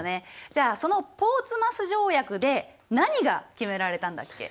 じゃあそのポーツマス条約で何が決められたんだっけ？